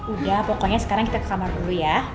udah pokoknya sekarang kita ke kamar dulu ya